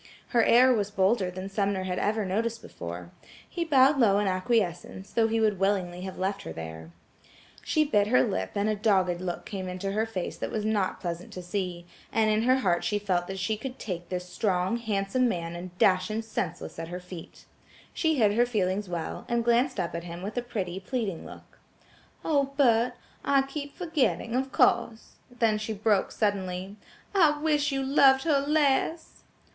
Her air was bolder than Sumner had ever noticed before. He bowed low in acquiescence, though he would willingly have left her there. She bit her lip and a dogged look came into her face that was not pleasant to see, and in her heart she felt that she could take the strong, handsome man and dash him senseless at her feet. She hid her feelings well, and glanced up at him with a pretty pleading look. "Oh! Bert, I keep forgetting–of course–," then she broke suddenly, "I wish you loved her less!"